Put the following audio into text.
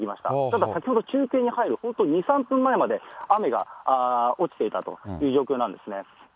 ただ、先ほど中継に入る本当に２、３分前まで、雨が落ちていたという状況なんですね。